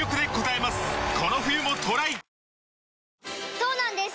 そうなんです